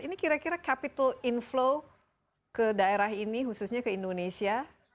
ini kira kira capital inflow ke daerah ini khususnya ke indonesia